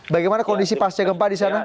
bagaimana kondisi pasca gempa disana